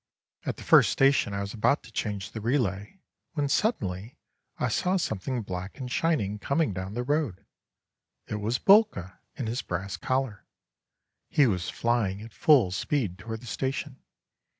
At the first station I was about to change the relay, when suddenly I saw something black and shining coming down the road. It was Búlka in his brass collar. He was flying at full speed toward the station.